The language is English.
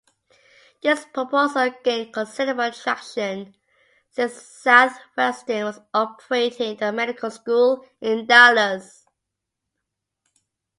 This proposal gained considerable traction since Southwestern was operating a medical school in Dallas.